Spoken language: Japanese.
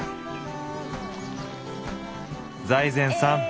財前さん